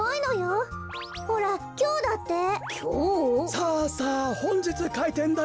さあさあほんじつかいてんだよ。